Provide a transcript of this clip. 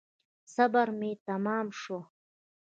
صبر مي تمام شو .